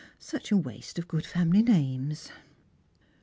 Such a waste of good family names